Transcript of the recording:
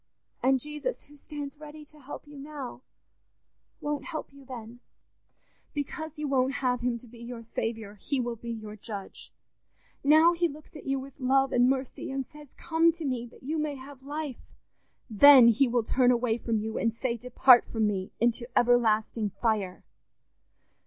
And Jesus, who stands ready to help you now, won't help you then; because you won't have him to be your Saviour, he will be your judge. Now he looks at you with love and mercy and says, 'Come to me that you may have life'; then he will turn away from you, and say, 'Depart from me into ever lasting fire!